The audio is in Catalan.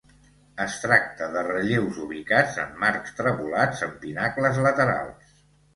Es tracta de relleus ubicats en marcs trevolats amb pinacles laterals.